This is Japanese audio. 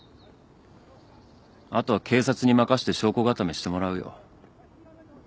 あとは警察に任せて証拠固めしてもらうよ。